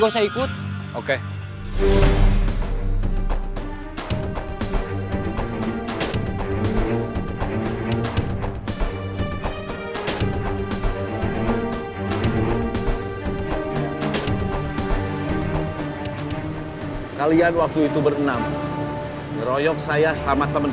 kita kumpul di belakang